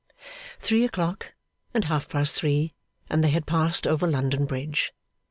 Three o'clock, and half past three, and they had passed over London Bridge.